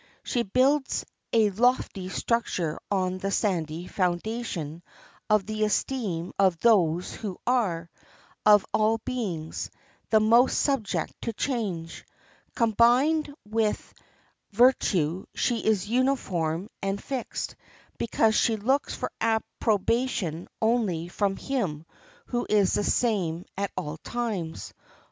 She builds a lofty structure on the sandy foundation of the esteem of those who are, of all beings, the most subject to change. Combined with virtue she is uniform and fixed, because she looks for approbation only from Him who is the same at all times.